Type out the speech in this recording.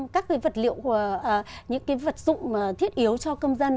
các vật liệu những vật dụng thiết yếu cho công dân